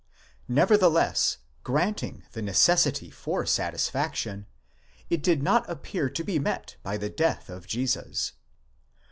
2 Never theless, granting the necessity for satisfaction, it did not appear to be met by the death of Jesus.